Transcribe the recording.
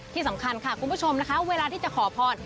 ที่สำคัญค่ะคุณผู้ชมนะคะเวลาที่จะขอพร